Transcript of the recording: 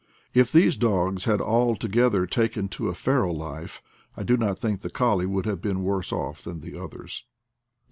If these dogs had all together taken to a feral life, I do not think the colley would have been worse off than the others.